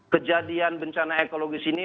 kejadian bencana ekologis ini